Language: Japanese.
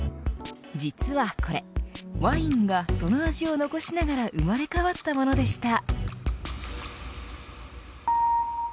実はこれ、ワインがその味を残しながら生まれ変わったものでした。